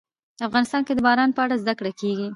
افغانستان کې د باران په اړه زده کړه کېږي.